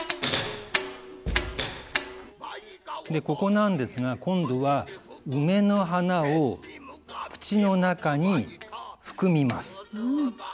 ここなんですが今度は梅の花を口の中に含みます。